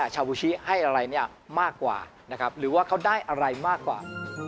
ชาบูชิให้อะไรมากกว่าหรือว่าเขาได้อะไรมากกว่า